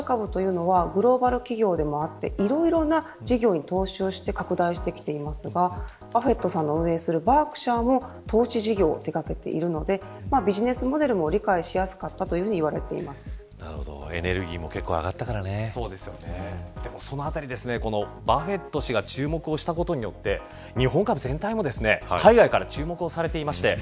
さらに、商社株というのはグローバル企業でもあっていろいろな事業に投資をして拡大してきていますがバフェットさんが運営するバークシャーも投資事業を手掛けているのでビジネスモデルも理解しやすかったというふうにバフェット氏が注目をしたことによって日本株全体も海外から注目をされています。